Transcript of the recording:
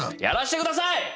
やらして下さい！